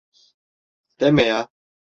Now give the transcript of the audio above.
Deme ya!